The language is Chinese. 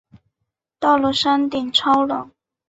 到了山顶超冷